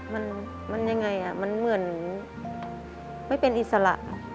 มันมันยังไงอ่ะมันเหมือนไม่เป็นอิสระ